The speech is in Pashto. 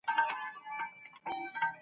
که سرتیري جرئت وکړي نو طالع به یې وي.